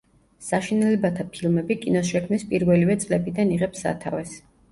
საშინელებათა ფილმები კინოს შექმნის პირველივე წლებიდან იღებს სათავეს.